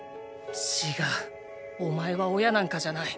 ちがうお前は親なんかじゃない。